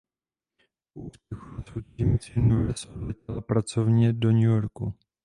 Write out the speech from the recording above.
Po úspěchu na soutěži Miss Universe odletěla pracovně do New Yorku.